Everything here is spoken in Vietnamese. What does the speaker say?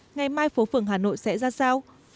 ngày mai phố phường hà nội sẽ ra sao